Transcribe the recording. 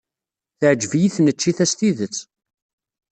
Teɛjeb-iyi tneččit-a s tidet.